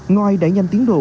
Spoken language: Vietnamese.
ngoài đẩy nhanh tiến độ